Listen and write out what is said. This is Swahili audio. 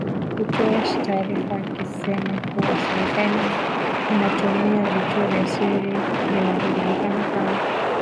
kutoa taarifa ikisema kuwa serikali inatumia vituo vya siri vinavyojulikana kama